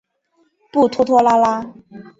不拖拖拉拉。